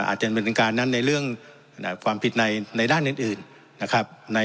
อาจจะเป็นการนั้นในเรื่องความผิดในด้านอื่น